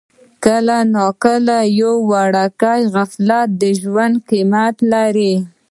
کله ناکله یو وړوکی غفلت د ژوند قیمت لري.